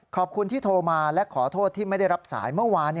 ขอบคุณที่โทรมาและขอโทษที่ไม่ได้รับสายเมื่อวาน